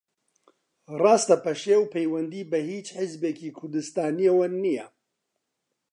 ڕاستە پەشێو پەیوەندی بە ھیچ حیزبێکی کوردستانییەوە نییە